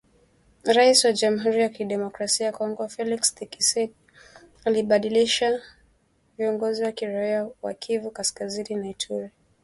Rais wa Jamuhuri ya Kidemokrasia ya Kongo Felix Thisekedi alibadilisha viongozi wa kiraia wa Kivu Kaskazini na Ituri